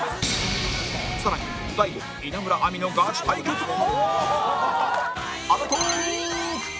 さらに大悟稲村亜美のガチ対決も！